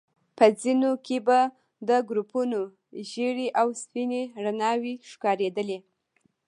په ځينو کې به د ګروپونو ژيړې او سپينې رڼاوي ښکارېدلې.